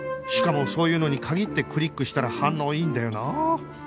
しかもそういうのに限ってクリックしたら反応いいんだよなあ